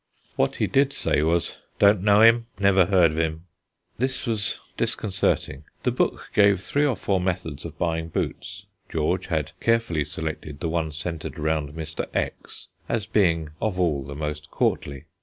What he did say was: "Don't know him; never heard of him." This was disconcerting. The book gave three or four methods of buying boots; George had carefully selected the one centred round "Mr. X," as being of all the most courtly.